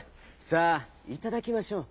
さあいただきましょう」。